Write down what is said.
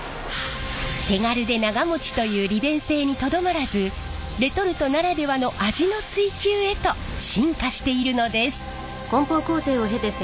手軽で長もちという利便性にとどまらずレトルトならではの味の追求へと進化しているのです。